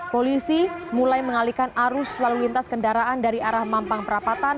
polisi mulai mengalihkan arus lalu lintas kendaraan dari arah mampang perapatan